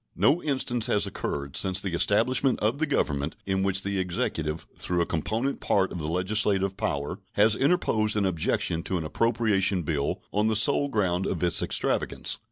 No instance has occurred since the establishment of the Government in which the Executive, though a component part of the legislative power, has interposed an objection to an appropriation bill on the sole ground of its extravagance.